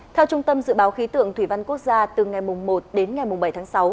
theo trung tâm dự báo khí tượng thủy văn quốc gia từ ngày một đến ngày bảy tháng sáu